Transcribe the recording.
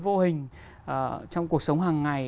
vô hình trong cuộc sống hàng ngày